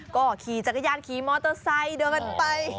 ก็ขี่จักรยานขี่มอเตอร์ไซค์เดินไป